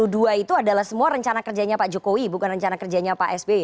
dan dua ribu dua puluh dua itu adalah semua rencana kerjanya pak jokowi bukan rencana kerjanya pak sbe